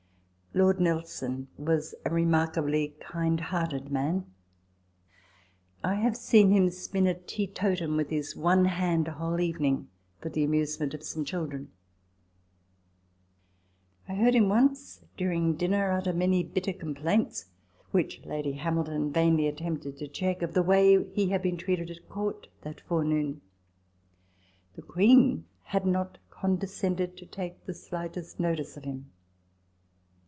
Lord Nelson was a remarkably kind hearted man. I have seen him spin a teetotum with his one hand, a whole evening, for the amusement of some children. I heard him once during dinner utter many bitter complaints (which Lady Hamilton vainly attempted to check) of the way he had been treated at Court that forenoon : the Queen had not condescended to take the slightest notice of him.